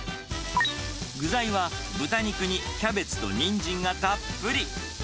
具材は豚肉にキャベツとニンジンがたっぷり。